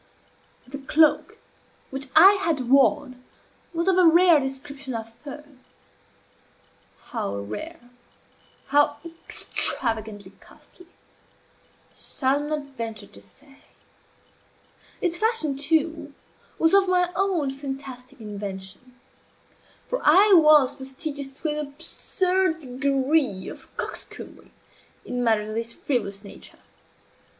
The cloak which I had worn was of a rare description of fur; how rare, how extravagantly costly, I shall not venture to say. Its fashion, too, was of my own fantastic invention; for I was fastidious to an absurd degree of coxcombry, in matters of this frivolous nature.